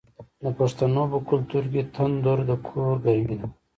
د پښتنو په کلتور کې تندور د کور ګرمي ده.